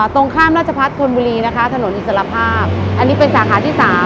ตรงข้ามรัชภพรรษคนบุรีถนนอิสรภาพอันนี้เป็นสาขาที่๓